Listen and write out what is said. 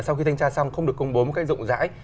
sau khi thanh tra xong không được công bố một cách rộng rãi